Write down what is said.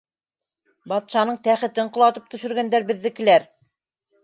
— Батшаның тәхетен ҡолатып төшөргәндәр беҙҙекеләр.